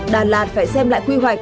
đà lạt phải xem lại quy hoạch